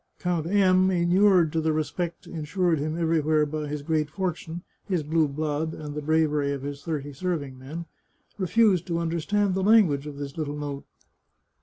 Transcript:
Count M , inured to the respect ensured him every where by his great fortune, his blue blood, and the bravery of his thirty serving men, refused to understand the lan guage of the little note.